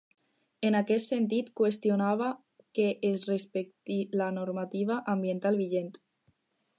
En aquest sentit, qüestiona que es respecti la normativa ambiental vigent.